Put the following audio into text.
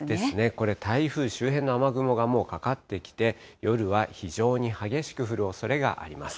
これ、台風周辺の雨雲がもうかかってきて、夜は非常に激しく降るおそれがあります。